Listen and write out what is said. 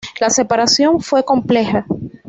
La separación fue compleja.